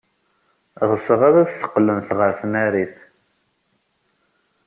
Ɣseɣ ad d-teqqlemt ɣer tnarit.